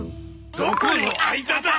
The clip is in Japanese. どこの間だ！？